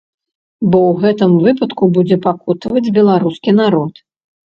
Бо ў гэтым выпадку будзе пакутаваць беларускі народ.